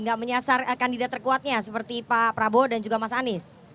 tidak menyasar kandidat terkuatnya seperti pak prabowo dan juga mas anies